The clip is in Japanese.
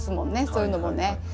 そういうのもね。